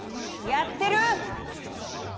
・やってる？